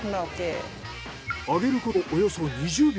揚げることおよそ２０秒。